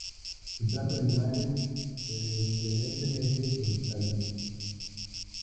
Se trata de animales preferentemente forestales.